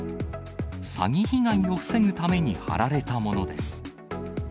詐欺被害を防ぐために貼られたものです。